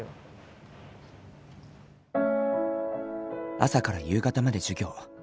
朝から夕方まで授業。